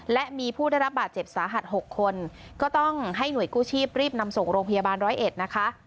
และมีผู้ได้รับบาดเจ็บสาหัส๖คนก็ต้องให้หน่วยกู้ชีพรีบนำส่งโรงพยาบาลร้อยเอ็ดนะคะ